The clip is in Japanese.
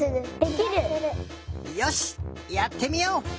よしやってみよう！